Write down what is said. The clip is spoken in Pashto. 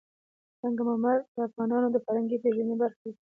سنگ مرمر د افغانانو د فرهنګي پیژندنې برخه ده.